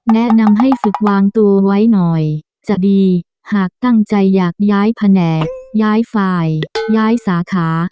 แนะนำให้ฝึกวางตัวไว้หน่อยจะดีหากตั้งใจอยากย้ายแผนกย้ายฝ่ายย้ายสาขา